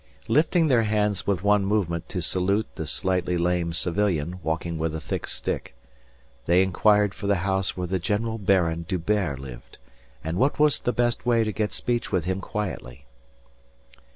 Lifting their hands with one movement to salute the slightly lame civilian walking with a thick stick, they inquired for the house where the General Baron D'Hubert lived and what was the best way to get speech with him quietly.